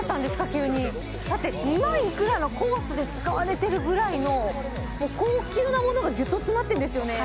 急にだって２万いくらのコースで使われてるぐらいの高級なものがギュッと詰まってるんですよね